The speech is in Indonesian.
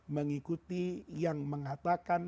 mengikuti yang mengatakan